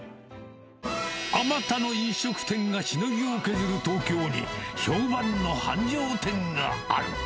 あまたの飲食店がしのぎを削る東京に、評判の繁盛店がある。